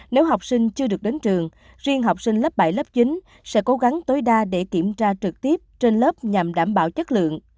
nếu học sinh chưa được đến trường riêng học sinh lớp bảy lớp chín sẽ cố gắng tối đa để kiểm tra trực tiếp trên lớp nhằm đảm bảo chất lượng